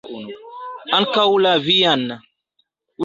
Ankaŭ la vian!